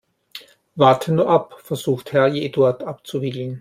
Warte nur ab, versucht Herr Eduard abzuwiegeln.